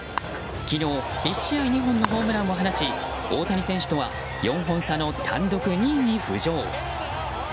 昨日１試合２本のホームランを放ち大谷選手とは４本差の単独２位に浮上。